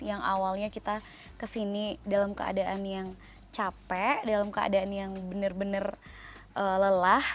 yang awalnya kita kesini dalam keadaan yang capek dalam keadaan yang benar benar lelah